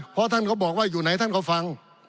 เพราะท่านก็บอกว่าอยู่ไหนท่านก็ฟัง